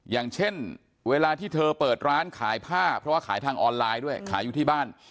อย่างเช่นเวลาที่เธอเปิดร้านขายผ้าเพราะว่าขายทางออนไลน์ด้วยขายอยู่ที่บ้าน